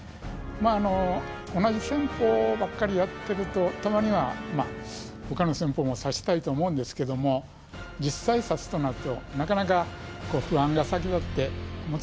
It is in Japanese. まああの同じ戦法ばっかりやってるとたまには他の戦法も指したいと思うんですけども実際指すとなるとなかなか不安が先立って難しいんですね。